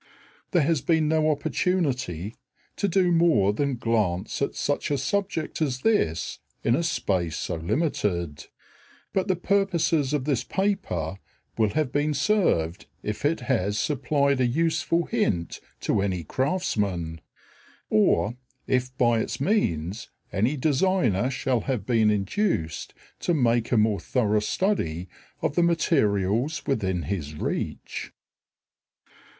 There has been no opportunity to do more than glance at such a subject as this in a space so limited; but the purposes of this paper will have been served if it has supplied a useful hint to any craftsman, or if by its means any designer shall have been induced to make a more thorough study of the materials within his reach.